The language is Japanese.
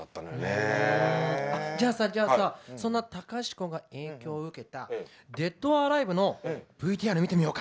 じゃあさじゃあさそんな隆子が影響を受けたデッド・オア・アライヴのＶＴＲを見てみようか。